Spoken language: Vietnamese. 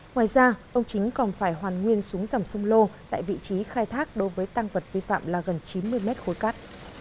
ngoài ra ông chính còn phải hoàn nguyên xuống dòng sông lô tại vị trí khai thác đối với tăng vật vi phạm là gần chín mươi mét khối cát